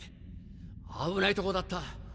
危ないとこだった。